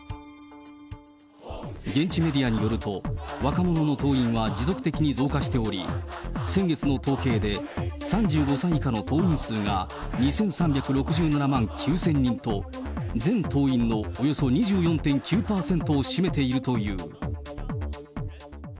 現地メディアによると、若者の党員は持続的に増加しており、先月の統計で３５歳以下の党員数が２３６７万９０００人と、全党員のおよそ２４．９％を占めているという。